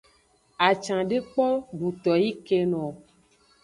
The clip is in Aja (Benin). Acan de kpo duto yi keno o.